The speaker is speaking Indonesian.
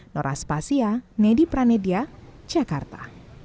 noras pasia nedi pranedia jakarta